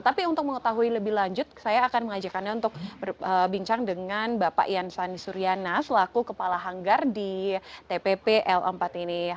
tapi untuk mengetahui lebih lanjut saya akan mengajakannya untuk bincang dengan bapak ian sani suryana selaku kepala hanggar di tpp l empat ini